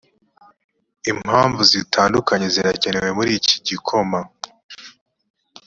impamvu zitandukanye zirakenewe murikigikoma